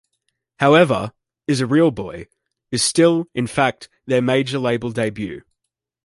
However, "...Is A Real Boy" is still in fact their 'major label debut'.